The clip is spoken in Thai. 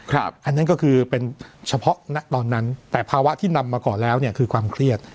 อันนั้นก็คือเป็นเฉพาะณตอนนั้นแต่ภาวะที่นำมาก่อนแล้วเนี่ยคือความเครียด